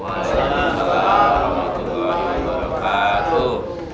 assalamualaikum warahmatullahi wabarakatuh